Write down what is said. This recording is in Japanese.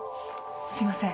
すいません。